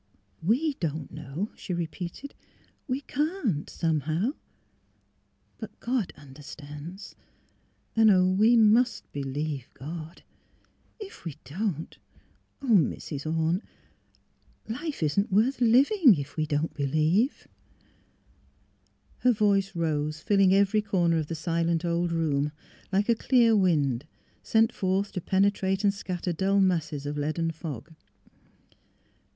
" We — don't know," she repeated. '' We — can't, somehow. But God — ^understands. And we must — believe — God. If we don't — oh! Mrs. Orne, life isn't worth living — if we don't — believe !'' Her voice rose, filling every corner of the silent old room, like a clear wind, sent forth to pene trate and scatter dull masses of leaden fog.